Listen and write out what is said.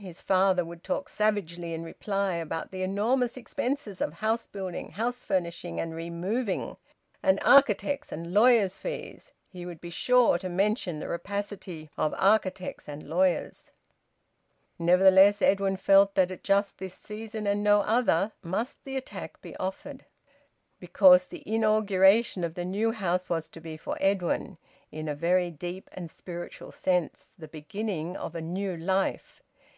His father would talk savagely in reply about the enormous expenses of house building, house furnishing, and removing, and architects' and lawyers' fees; he would be sure to mention the rapacity of architects and lawyers. Nevertheless Edwin felt that at just this season, and no other, must the attack be offered. Because the inauguration of the new house was to be for Edwin, in a very deep and spiritual sense, the beginning of the new life!